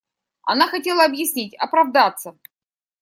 Она хотела объяснить, оправдаться.